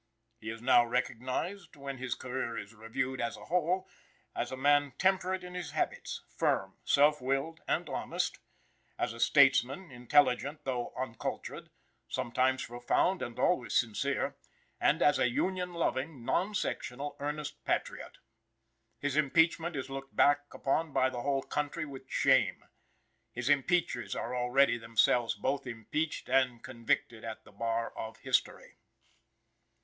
He is now recognized, when his career is reviewed as a whole, as a man temperate in his habits, firm, self willed and honest; as a statesman, intelligent though uncultured, sometimes profound and always sincere; and as a union loving, non sectional, earnest patriot. His impeachment is looked back upon by the whole country with shame. His impeachers are already, themselves, both impeached and convicted at the bar of history.